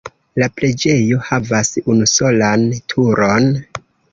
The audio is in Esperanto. La preĝejo havas unusolan turon.